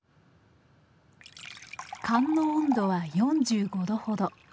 燗の温度は４５度ほど。